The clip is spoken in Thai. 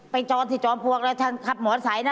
จรที่จอมปลวกแล้วท่านขับหมอสายนะ